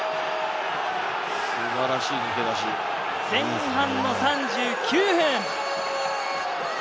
前半の３９分。